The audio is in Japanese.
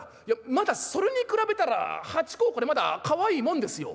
まだそれに比べたら八公これまだかわいいもんですよ。